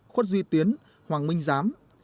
khuất duy tiến hoàng minh giám